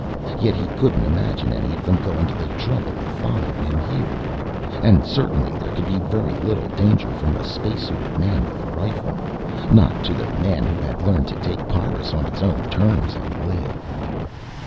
Yet he couldn't imagine any of them going to the trouble of following him here. And certainly there could be very little danger from a spacesuited man with a rifle, not to the man who had learned to take Pyrrus on its own terms, and live.